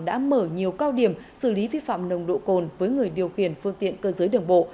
đã mở nhiều cao điểm xử lý vi phạm nồng độ cồn với người điều khiển phương tiện cơ giới đường bộ